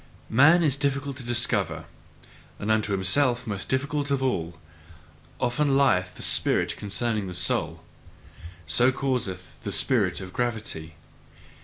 Man is difficult to discover, and unto himself most difficult of all; often lieth the spirit concerning the soul. So causeth the spirit of gravity.